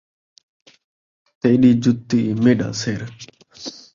تیݙی جتی میݙا سر